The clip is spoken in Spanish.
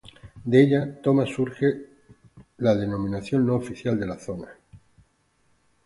De ella toma surge la denominación no oficial de la zona.